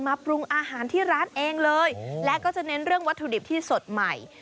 มาปรุงอาหารที่ร้านเองและแนะนำวัตถุดิบที่สดใหม่